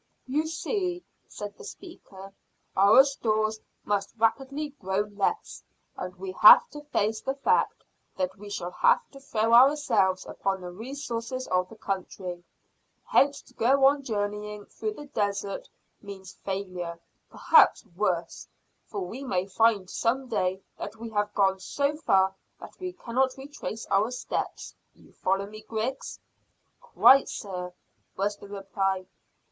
"You see," said the speaker, "our stores must rapidly grow less, and we have to face the fact that we shall have to throw ourselves upon the resources of the country; hence to go on journeying through the deserts means failure, perhaps worse, for we may find some day that we have gone so far that we cannot retrace our steps. You follow me, Griggs?" "Quite, sir," was the reply.